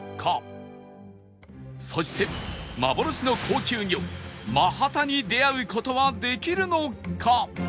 そして幻の高級魚マハタに出会う事はできるのか？